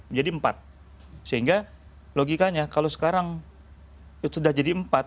menjadi empat sehingga logikanya kalau sekarang sudah jadi empat